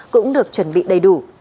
cũng được chuẩn bị đầy đủ